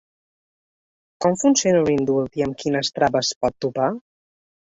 Com funciona un indult i amb quines traves pot topar?